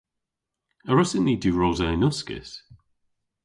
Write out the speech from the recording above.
A wrussyn ni diwrosa yn uskis?